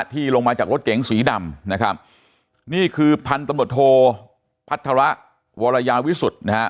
ที่ลงมาจากรถเก๋งสีดำนะครับนี่คือพันธุ์ตำรวจโทพัฒระวรยาวิสุทธิ์นะฮะ